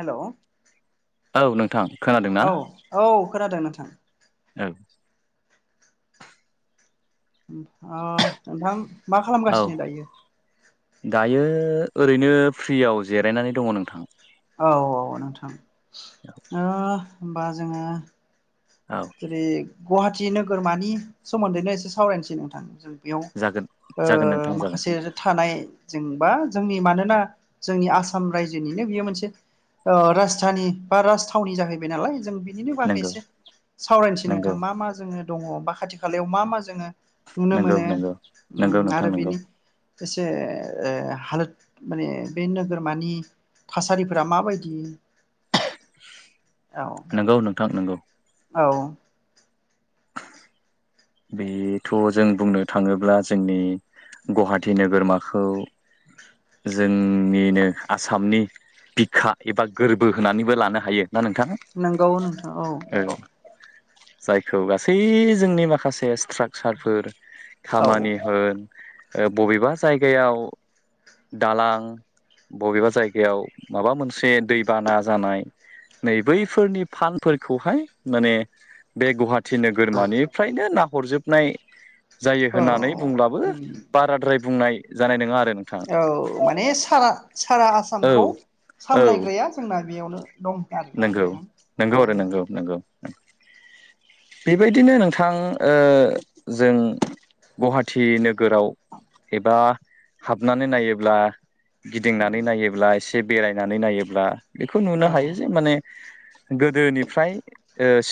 हेल' औ नोंथां खोनादों ना औ औ खोनादों नोंथां औ अ नोंथां मा औ खालामगासिनो दायो दायो ओरैनो फ्रियाव जिरायनानै दङ नोंथां औ औ नोंथां ओ होमबा जोङो औ जेरै गुवाहाटि नोगोरमानि सोमोन्दैनो एसे सावरायनोसै नोंथां जों बेयाव जागोन ओ जागोन नोंथां जागोन माखासे थानाय जेनेबा जोंनि मानोना जोंनि आसाम रायजोनिनो बियो मोनसे ओ राजधानि बा राजथावनि जाहैबाय नालाय जों बिनि बागै नंगौ एसे सावरायनोसै नोंथां नंगौ मा मा जोङो दङ बा खाथि खालायाव मा मा जोङो नुनो नंगौ मोनो नंगौ नंगौ नोंथां आरो नंगौ बिनि एसे हालोद माने बे नोगोरमानि थासारिफोरा माबायदि औ नंगौ नोंथां नंगौ औ बेथ' जों बुंनो थाङोब्ला जोंनि गुवाहाटि नोगोरमाखौ जोंनिनो आसामनि बिखा एबा गोरबो होनानैबो लानो हायो। ना नोंथां नंगौ नोंथां औ नंगौ जायखौ गासै जोंनि माखासे स्ट्राकसारफोर औ खामानि होन बबेबा जायगायाव दालां बबेबा जायगायाव माबा मोनसे दैबाना जानाय नै बैफोरनि फानफोरखौहाय माने बे गुवाहाटि थिनो गोरमानिफ्रायनो नाहरजोबनाय जायो औ होननानै बुंब्लाबो उम बाराद्राय बुंनाय जानाय नङा आरो नोंथां औ माने सारा सारा औ आसामखौ औ सामलायग्राया जोंना बेयावनो दं नंगौ आरोना नोंथां नंगौ औ आरो नोंगौ नंगौ [inaudible] बेबायदिनो नोंथां जों गुवाहाटि नोगोराव एबा हाबनानै नायोब्ला गिदिंनानै नायोब्ला एसे बेरायनानै नायोब्ला बेखौ औ नुनो हायो जे माने गोदोनिफ्राय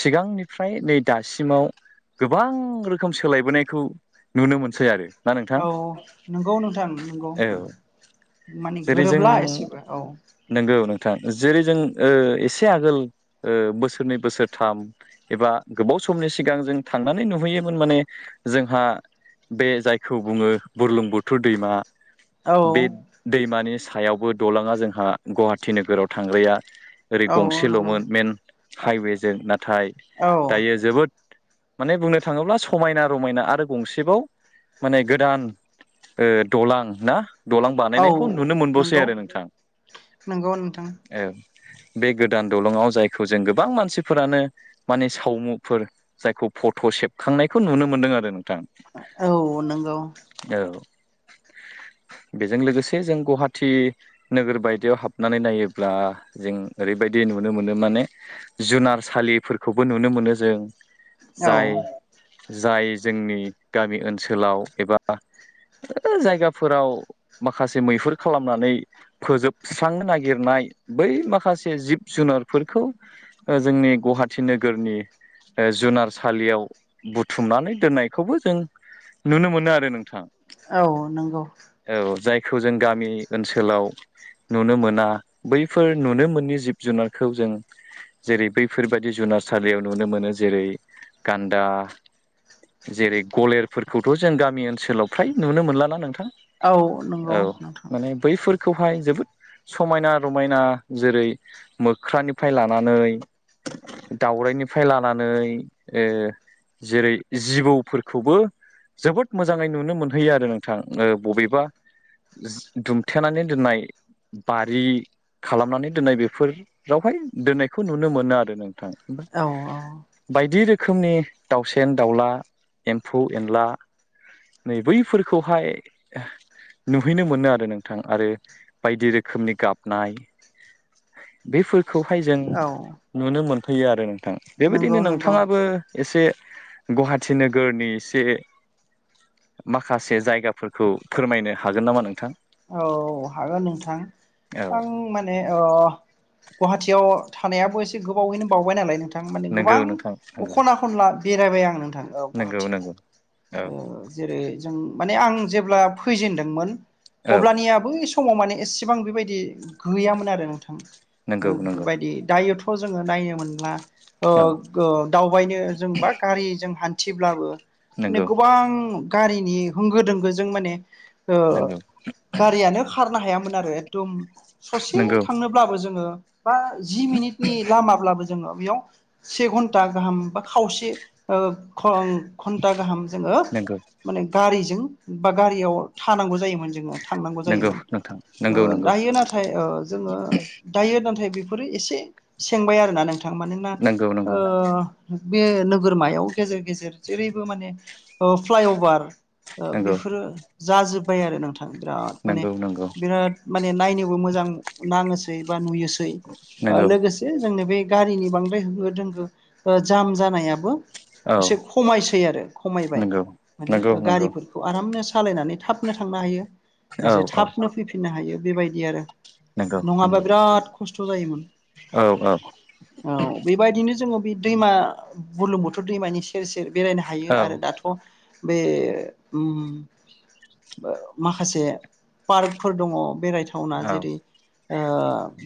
सिगांनिफ्राय नै दासिमाव गोबां रोखोम सोलायबोनायखौ नुनो मोनसै आरो ना नोंथां औ नंगौ नोंथां नंगौ औ माने जेरै जों गोरोबला एसेबो औ नंगौ जेरै जों एसे आगोल बोसोरनै बोसोरथाम एबा गोबाव समनि सिगां जों थ थांनानै नुहैयोमोन माने जोंहा बे जायखौ बुङो बुरलुंबुथुर दैमा बे औ दैमानि सायावबो दलाङा जोंहा गुवाहाटि नोगोराव थांग्राया ओरै औ नंगौ गंसेल'मोन मइेन हाइवेजों नाथाय औ दायो जोबोद माने बुंनो थाङोब्ला समायना रमायना आरो गंसेबाव माने गोदान दालां ना दालां औ बानायनायखौ नुनो मोनबावसै नंगौ आरो नोंथां नंगौ नोंथां औ बे गोदान दलङाव जायखौ जों गोबां मानसिफोरानो माने सावमुफोर जायखौ फट' सेबखांनायखौ नुनो मोन्दों आरो नों औ नोंगौ औ [inaudible] बेजों लोगोसे जों गुवाहाटि नोगोर बायदियाव हाबनानै नायोब्ला जों ओरैबायदि नुनो मोनो माने जुनारसालिफोरखौबो नुनो मोनो जों औ जाय जाय जोंनि गामि ओनसोलाव एबा जायगाफोराव माखासे मैहुर खालामनानै फोजोबस्रांनो नागिरनाय बै माखासे जिब जुनारफोरखौ जोंनि गुवाहाटि नोगोरनि जुनारसालियाव बुथुमनानै दोननायखौबो जों नुनो मोनो आरो नोंथाङा औ नंगौ बेखौ जों गामि ओनसोलाव नुनो मोना बै फोर नुनो मोननि जिब जुनारखौ जों जेरै बैफोरबायदि जुनारसालियाव नुनो मोनो जेरै गान्दा जेरै गलेरफोरखौथ' जों गामि ओनसोलाव फ्राय नुनो मोनलाना नोंथां नंगौ औ नोंथां माने बैफोरखौहाय जोबोद समायना रमायना समायना जेरै मोख्रानिफ्राय लानानै दाउरायनिफ्राय लानानै जेरै जिबौफोरखौबो जोबोद मोजाङै नुनो मोनहैयो आरो नोंथां बबेबा दुमथेनानै दोननाय बारि खालामनानै दोननाय बेफोरावहाय दोननायखौ नुनो मोनो आरो नोंथां औ औ बायदि रोखोमनि दाउसेन दाउला एम्फौ एनला नै बैफोरखौहाय नुहैनो मोनो आरो नोंथां आरो बायदि रोखोमनि गाब नाय बेफोरखौहाय जों औ नुनो मोनफैयो आरो नोंथां नंगौ बेबायदिनो नंगौ नोंथाङाबो एसे गुवाहाटि नोगोरनि एसे माखासे जायगाफोरखौ फोरमायनो हागोन नामा नोंथां? औ हागोन नोंथां औ आं माने ओ गुवाहाटियाव थानायाबो एसे गोबावैनो बावबाय नालाय नोंथां माने नंगौ गोबां नोंथां नंगौ ख'ना-खनला बेरायबाय आं नोंथां ओ नंगौ गुवाहाटिआव नंगौ औ ओ जेरै जों माने आं जेब्ला फैजेनदोंमोन औ अब्लानियाबो इस समाव माने एसेबां बेबायदि गैयामोन आरो नोंथां नंगौ नंगौ बेफोरबायदि दायोथ' खौ जोङो नायनो मोनला ओ औ ओ दावबायनो जों बा गारिजों हान्थिब्लाबो माने नंगौ गोबां गारिनि होंगो दोंगोजों माने ओ नोंगौ गारियानो खारनो हायामोन आरो एकदम ससे नंगौ थांनोब्लाबो जोङो बा जि मिनिटनि लामाब्लाबो जोङो बेयाव से घन्टा गाहाम बा खावसे ओ घ घन्टा गाहाम जोङो नंगौ माने गारि जों बा गारियाव थानांगौ जायोमोन जों थांनांगौ नंगौ जायोमोन नोंथां नंगौ ओ नंगौ दायो नाथाय ओ जोङो दायो नाथाय बेफोर फोरो एसे सेबाय आरोना नोंथां मानोना नंगौ नंगौ बे नोगोरमायाव गेजेर गेजेर जेरैबो माने ओ फ्लाइअभार बेफोरो जाजोब्बाय आरो नोंथां बिराद माने नंगौ नंगौ बिराद माने नायनोबो मोजां नाङोसै बा नुयोसै नंगौ ओ लोगोसे जोंनो बे गारिनि बांद्राय होंगो दोंगो ओ जाम जानायाबो औ इसे खमायसै आरो खमायबाय नंगौ माने नंगौ नंगौ गारिफोरखौ आरामनो स' सालायनानै थाबनो थांनो हायो औ एसे औ थाबनो फैफिननो हायो बेबायदि आरो नंगौ नङाबा नंगौ बिराद खस्थ' जायोमोन औ औ औ बेबायदिनो जोङो बे दैमा बुलुंबुथुर दैमानि सेर सेर बेरायनो हायो औ आरो दाथ' बे ओम माखासे पार्कफोर दङ' बेराय थावना औ जेरै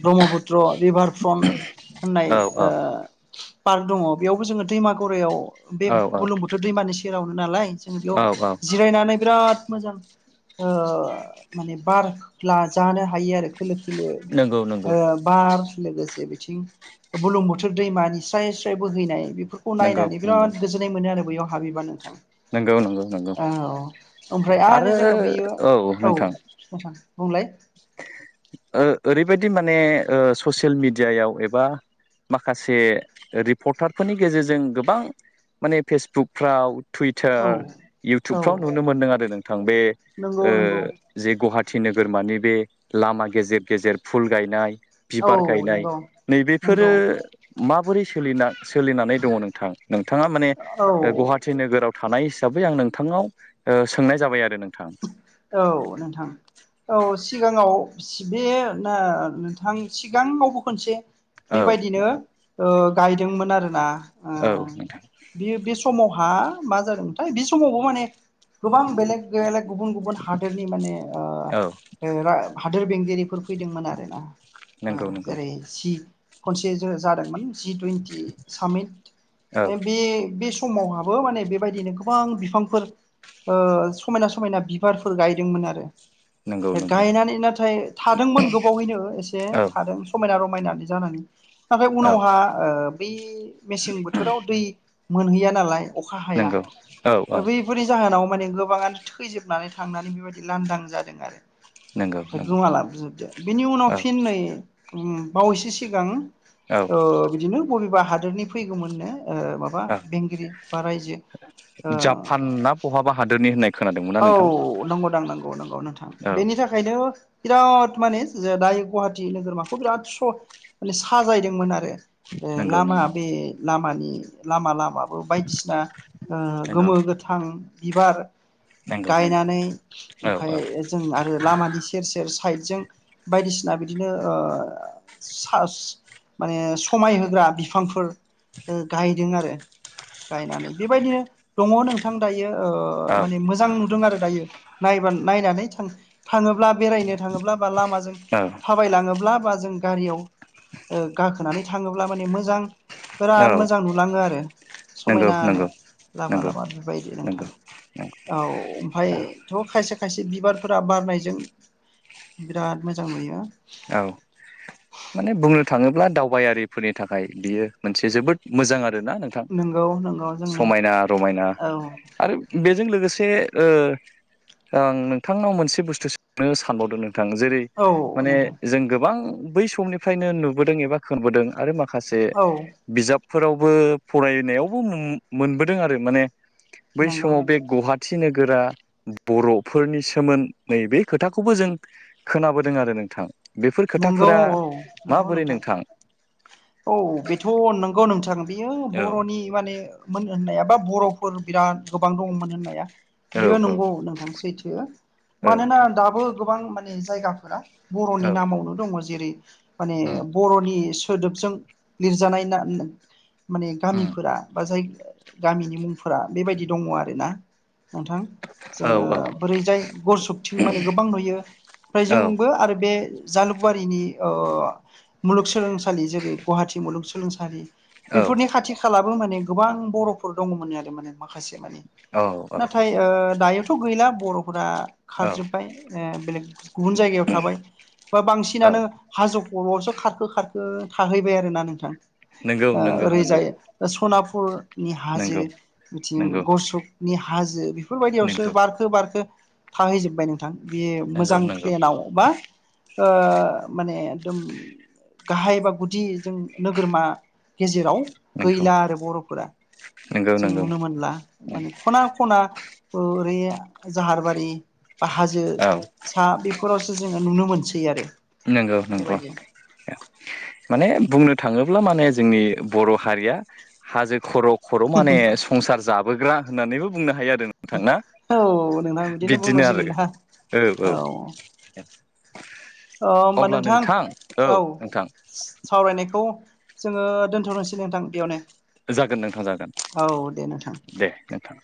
ब्रह्मपुत्र रिभार फ्रन्ट होननाय औ ओ पार्क दङ' बेयावबो जोङो दैमा गरायाव बे औ बुलुंबुथुर दैमानि सेरावनो नालाय जोंङो बेयाव औ औ जिरायनानै बिराद मोजां ओ माने बार लाजानो हायो आरो खोलो खोल़ो नंगौ नंगौ ओ बार लोगोसे बिथिं बुरलुंबुथुर दैमानि स्राय स्राय बोहैनाय बेफोरखौ नंगौ नायनानै नंगौ बिराद गोजोननाय मोनो आरो बैयाव हाबैबा नोंथां नंगौ नंगौ नंगौ औ ओमफ्राय आरो जोङो बैयो औ नोंथां बुंलाय ओ ओरैबायदि माने ओ ससियेल मिडियायाव एबा माखासे रिपर्टारफोरनि गेजेरजों गोबां माने फेसबुकफ्राव टुइटार औ औ इउटुबफ्राव नुनो मोनदों आरो नोंथां बे नंगौ ओ नंगौ जे गुहाट थि नोगोरमानि बे लामा गेजेर गेजेर फुल गायनाय औ बिबार गायनाय नंगौ नैबेफोरो नंगौ माबोरै सोलिना सोलिनानै दङ' नोंथां नोंथाङा माने औ गुहाटि नोगोराव थानाय हिसाबै आं नोंथांनाव ओ सोंनाय जाबाय आरो नों औ नोंथां औ सिगाङाव बे नोंथां सिगाङावबो खोनसे औ बेबायदिनो नोंथां ओ गायदोंमोन आरोना। औ नोंथां। हा मा जादोंमोनथाय बे समावबो माने गोबां बेलेग बेलेग गुबन गुबुन हादोरनि माने ओ औ हादोर बेंगिरिफोर फैदोंमोन आरोना नंगौ नंगौ जेरै सि खनसे जादोंमोन जिटुइनटि सामित औ बि। समावहाबो माने बेबायदिनो गोबां बिफांफोर ओ समायना समायना बिबारफोर गायदोंमोन आरो नंगौ ओमफ्राय नंगौ गायनानै नाथाय थादोंमोन गोबावैनो एसे औ थादों समायना रमायना बायनानै जानानै नाथाय औ उनावहा बै मेसें बोथोराव दै। मोनहैया नालाय अखा हाया नंगौ औ औ बैफोरनि जाहोनाव माने गो गोबाङानो थैजोबनानै थांनानै बेबायदि लांदां जादों आरो। नंगौ ओमफ्राय नंगौ गोमालां बोजोबदो बेनि उनाव औ फिन नै बावैसो सिगां। औ ओ बिदिनो बबेबा हादोरनि फैगौमोननो ओ माबा औ बेंगिरि बा रायजो आ जापान ना बहाबा हादोरनि होननाय खोनादोंमोन ना औ नोंथां नंगौदां नंगौ नंगौ नोंथां औ बेनि थाखायनो बिराद माने दायो गुवाहाटि नोगोरमाखौ बिराद स माने साजायदोंमोन आरो। ओ नंगौ लामा नंगौ बे लामानि लामा लामा। बायदिसिना ओ नंगौ गोमो गोथां बिबार। नंगौ नंगौ गायनानै औ ओमफ्राय जों आरो लामानि सेर सेर साइद जों बायदिसिना बिदिनो ओ। माने समाय होग्रा बिफांफोर ओ गायदों आरो। गायनानै बेबायदिनो दङ नोंथां दायो ओ औ औ माने मोजां। नुदों आरो दायो नायनानै थाङोब्ला बेरायनो थाङोब्ला ब्ला औ थाबाय लांङोब्ला। जों गारियाव ओ गाखोनानै थाङोब्ला माने मोजां। औ बिराद मोजां नुलाङो आरो नंगौ समायनानो। नंगौ लामा नंगौ लामा बेबायदि नोंथां नंगौ औ ओमफ्रायथ' खाय से खायसे बिबारफोरा बारनायजों बिराद मोजां नुयो। औ माने बुंनो थाङोब्ला दावबायारिफोरनि थाखाय बियो मोनसे जोबोद मोजां आरो नोंथां नोंगौ नोंगौ जोंनो समायना रमायना औ आरो बे। बजों लोगोसे आं नोंथांनाव मोनसे बुसथु सोंनो सानबावदों नों थां जेरै औ माने नोंथां जों गोबां बै समनिफ्रायनो नुबोदों एबा खोनबोदों आरो मा खासे औ बिजाबफोरावबो फरायनायावबो मोनबोदों आरो माने। बै नंगौ समाव बे गुवाहाट थि नोगोरा बर'फोरनि सोमोन नै बे खोथाखौबो जों खोनाबोदों आरो नोंथां। बेफोर नंगौ खोथाफोरा औ नंगौ माबोरै नोंथां। औ बेथ' नंगौ नोंथां बेयो औ बर'नि माने मोन होननाया बा बर'फोर बिराद गोबां दङमोन होननाया। औ बेयो औ नंगौ नोंथां सैथो औ मानोना दाबो गोबां माने जायगाफोरा बर'नि औ नामावनो दङ जेरै माने उम बर'नि सोदोबजों लिरजानाय ना माने उम गामिफोरा बा जाय गामिनि मुंफोरा बेबायदि दङ आरोना। नोंथां औ जोङो औ बोरैजाय गरसखथिं माने गोबां नुयो। ओमफ्राय औ जोंबो आरो बे। जालुकवारिनि अ मुलुगसोलोंसालि जेरै गुवाहाटी मुलुगसोलोंसालि। बेफोरनि खाथि खालाबो माने गोबां बर'फोर दङमोन आरो माने माखासे माने। औ औ नाथाय ओ दायोथ' गैला बर'। फोरा औ खारजोबबाय बेलेग गुबुन जायगायाव थाबाय। ओ औ बांसिनानो हाजो खर'यावसो खारखो खारखो थाहैबाय आरोना नोंथां नंगौ ओ नंगौ नंगौ ओरैजायो सनाफु रनि हाजो नंगौ बिथिं नंगौ गरसकनि हाजो बे बेफोरबायदियावसो नंगौ बारखो बारखो थाहैजोबबाय नोंथां बे नंगौ मोजां नंगौ प्लेनाव बा ओ माने एकदम गाहाय बा गुदि जों नोगोरमा गेजेराव नंगौ गैला आरो बर'फोरा नंगौ जों नंगौ नुनो मोनला माने ख'ना ख'ना बै जाहारबारि बा हाजो औ सा बेफोर बेफोरावसो जोङो नुनो मोनसै आरो नंगौ नंगौ बेबायदि माने बुंनो थाङोब्ला माने जोंनि बर' हारिया हाजो खर खर माने संसार जाबोग्रा होननानैबो बुंनो हायो आरो नोंथां औ नोंथां बिदिनो आरो बुंनांसिगोन दा औ औ होमबा नोंथां औ सावरायनायखौ जोङो दोन्थनोसै नोंथां बेयावनो जागोन नोंथां जागोन औ दे नोंथां। दे नोंथां